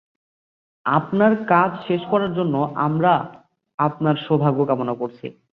আপনার কাজ শেষ করার জন্য আমরা আপনার সৌভাগ্য কামনা করছি।